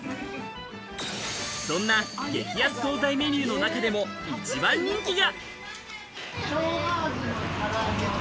そんな激安惣菜メニューの中でも一番人気が。